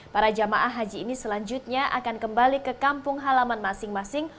para jamaah haji ini selanjutnya akan kembali ke kampung halaman masing masing